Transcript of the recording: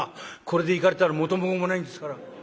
これでいかれたら元も子もないんですから。